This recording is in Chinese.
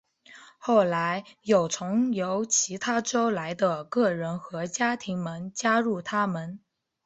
后来有从由其他州来的个人和家庭们加入他们。